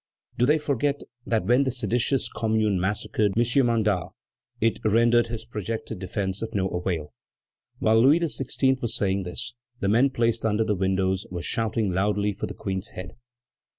Do they forget that when the seditious Commune massacred M. Mandat, it rendered his projected defence of no avail?" While Louis XVI. was saying this, the men placed under the windows were shouting loudly for the Queen's head.